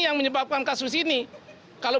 yang menyebabkan kasus ini kalau